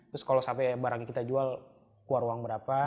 terus kalau sampai barang kita jual keluar uang berapa